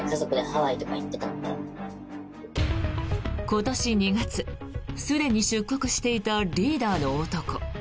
今年２月、すでに出国していたリーダーの男。